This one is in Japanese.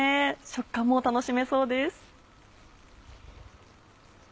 食感も楽しめそうです。